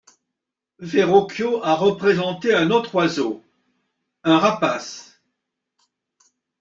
Verrocchio a représenté un autre oiseau, un rapace.